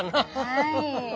はい。